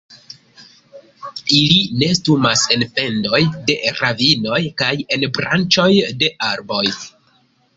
Ili nestumas en fendoj de ravinoj kaj en branĉoj de arboj.